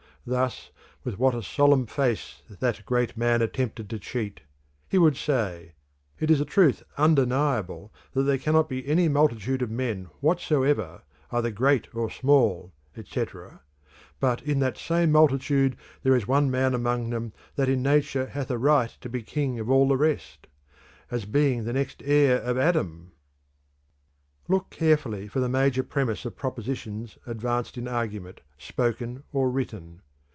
Thus with what a solemn face that great man attempted to cheat. He would say: 'It is a truth undeniable that there cannot be any multitude of men whatsoever, either great or small, etc., but that in the same multitude there is one man among them that in nature hath a right to be King of all the rest as being the next heir of Adam!'" Look carefully for the major premise of propositions advanced in argument, spoken or written.